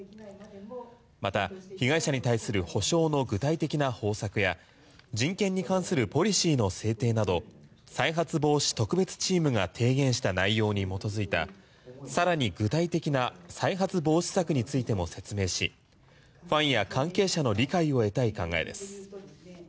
また被害者に対する補償の具体的な方策や人権に関するポリシーの制定など再発防止特別チームが提言した内容に基づいた更に具体的な再発防止策についても説明しファンや関係者の理解を得たい考えです。